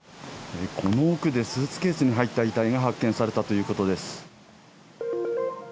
この奥でスーツケースに入った遺体が発見されたということです。